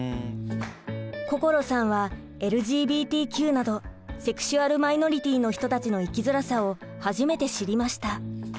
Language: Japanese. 心さんはＬＧＢＴＱなどセクシュアルマイノリティーの人たちの生きづらさを初めて知りました。